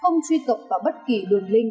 không truy cập vào bất kỳ đường link